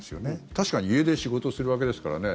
確かに家で仕事するわけですからね。